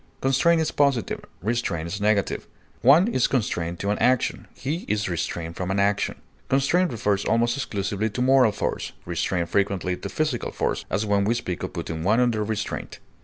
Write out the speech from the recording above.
Constrain is positive; restrain is negative; one is constrained to an action; he is restrained from an action. Constrain refers almost exclusively to moral force, restrain frequently to physical force, as when we speak of putting one under restraint.